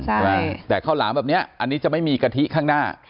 ใช่แต่ข้าวหลามแบบนี้อันนี้จะไม่มีกะทิข้างหน้า